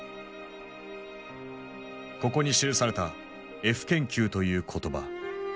ここに記された「Ｆ研究」という言葉。